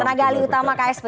penaga ali utama ksp